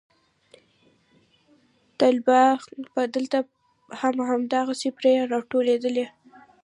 طلبا به دلته هم هماغسې پرې راټولېدل.